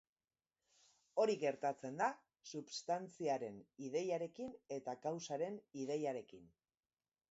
Hori gertatzen da substantziaren ideiarekin eta kausaren ideiarekin.